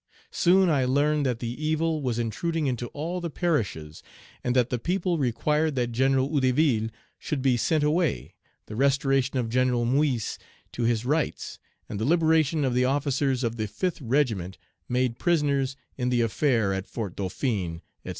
Soon I learned that the evil was intruding into all the parishes, and that the people required that General Hédouville should be sent away, the restoration of General Moyse to his rights, and the liberation of the officers of the fifth regiment, made prisoners in the affair at Fort Dauphin, &c.